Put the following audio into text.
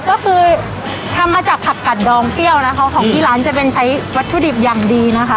ก็คือทำมาจากผักกัดดองเปรี้ยวนะคะของที่ร้านจะเป็นใช้วัตถุดิบอย่างดีนะคะ